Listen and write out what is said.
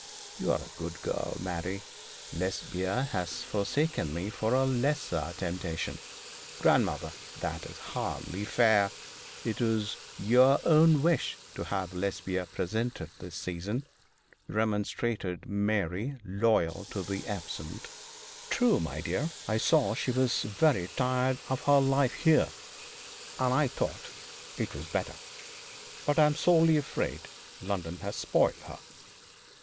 You are a good girl, Mary. Lesbia has forsaken me for a lesser temptation.' 'Grandmother, that is hardly fair. It was your own wish to have Lesbia presented this season,' remonstrated Mary, loyal to the absent. 'True, my dear. I saw she was very tired of her life here, and I thought it was better. But I'm sorely afraid London has spoiled her.